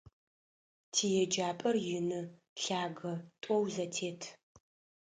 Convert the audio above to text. ТиеджапӀэр ины, лъагэ, тӀоу зэтет.